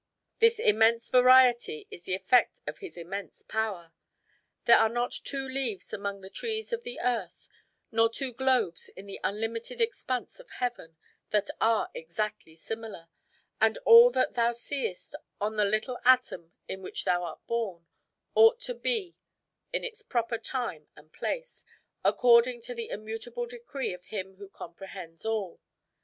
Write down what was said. This immense variety is the effect of His immense power. There are not two leaves among the trees of the earth, nor two globes in the unlimited expanse of heaven that are exactly similar; and all that thou seest on the little atom in which thou art born, ought to be in its proper time and place, according to the immutable decree of Him who comprehends all.